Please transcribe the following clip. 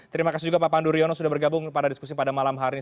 terima kasih juga pak pandu riono sudah bergabung pada diskusi pada malam hari ini